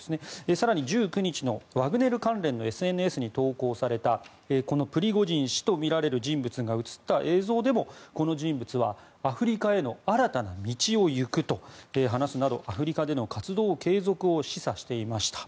更に１９日のワグネル関連のＳＮＳに投稿されたこのプリゴジン氏とみられる人物が映った映像でもこの人物は、アフリカへの新たな道を行くと話すなどアフリカでの活動継続を示唆していました。